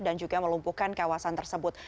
dan juga melumpuhkan kawasan tersebut